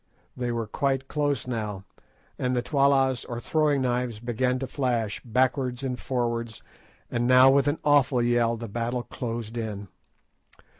They were quite close now, and the tollas, or throwing knives, began to flash backwards and forwards, and now with an awful yell the battle closed in.